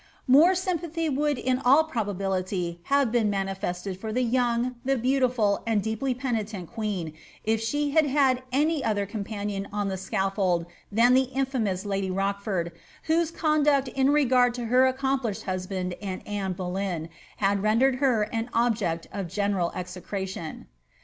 More sympathy would in all probability have been manifested for dv young, the beautiful, and deeply penitent queen, if she had had any other companion on the scafibld than the infamous lady Rochfoid, whoii conduct in regard to her accomplished husband and Anne Bokyn hid rendered her an object of general execration.